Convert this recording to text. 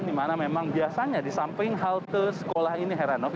dimana memang biasanya di samping halte sekolah ini heranov